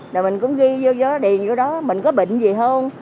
rồi mình cũng ghi vô đó điền vô đó mình có bệnh gì không